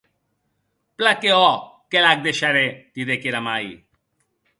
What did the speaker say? Plan que òc, que l’ac deisharè!, didec era mair.